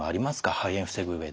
肺炎を防ぐ上で。